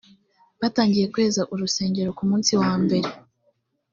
batangiye kweza urusengero ku munsi wa mbere